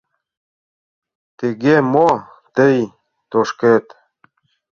Тыге мо тый тошкет?